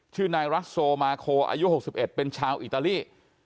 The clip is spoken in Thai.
ชื่อนายรัสโซมาโคอายุ๖๑เป็นชาวอิตาลี